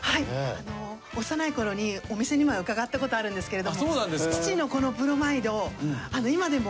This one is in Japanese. あの幼い頃にお店にも伺ったことあるんですけれども父のこのプロマイド。